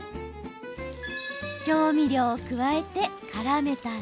調味料を加えて、からめたら。